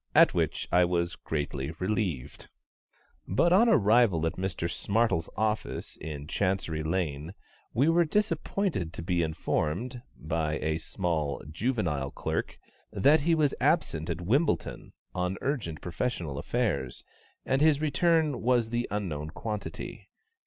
At which I was greatly relieved. But on arrival at Mr SMARTLE'S office in Chancery Lane, we were disappointed to be informed, by a small, juvenile clerk, that he was absent at Wimbledon on urgent professional affairs, and his return was the unknown quantity.